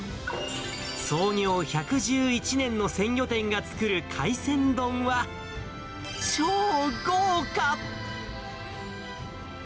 創業１１１年の鮮魚店が作る海鮮丼は、超豪華。